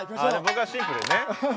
僕はシンプルにね。